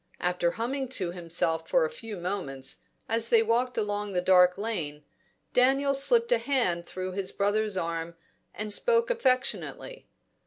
After humming to himself for a few moments, as they walked along the dark lane, Daniel slipped a hand through his brother's arm and spoke affectionately.